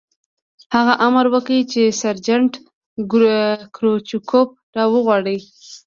هغه امر وکړ چې سرجنټ کروچکوف را وغواړئ